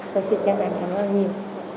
tôi xin chân thành cảm ơn nhiều